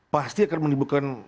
pasti akan menimbulkan